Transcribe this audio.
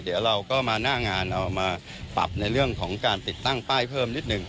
เดี๋ยวเราก็มาหน้างานเอามาปรับในเรื่องของการติดตั้งป้ายเพิ่มนิดหนึ่ง